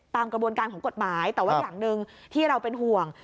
ตามกระบวนการของกฎหมายแต่ว่าอย่างหนึ่งที่เราเป็นห่วง